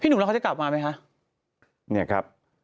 พี่หนุ่มแล้วเขาจะกลับมาไหมคะ